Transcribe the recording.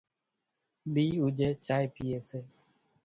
ۮِي اُوڄي چائي پيئي سي،